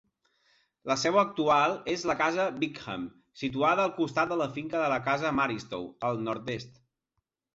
La seu actual és la Casa Bickham, situada al costat de la finca de la Casa Maristow, al nord-est.